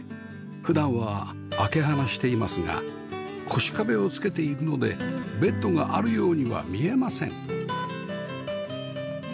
普段は開け放していますが腰壁をつけているのでベッドがあるようには見えません